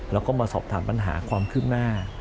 แล้วก็มาสอบถามปัญหาความคืบหน้า